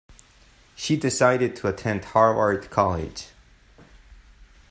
She decided to attend Harvard college.